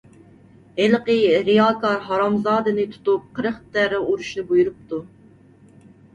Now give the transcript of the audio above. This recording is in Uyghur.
ھېلىقى رىياكار ھارامزادىنى تۇتۇپ، قىرىق دەررە ئۇرۇشنى بۇيرۇپتۇ.